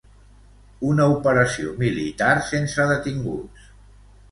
Una operació militar sense detinguts.